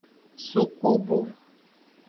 Sukubu.